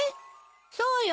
そうよ。